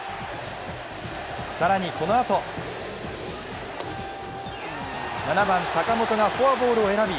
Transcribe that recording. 更にこのあと７番・坂本がフォアボールを選び